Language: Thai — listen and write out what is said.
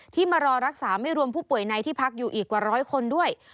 มารอรักษาไม่รวมผู้ป่วยในที่พักอยู่อีกกว่าร้อยคนด้วย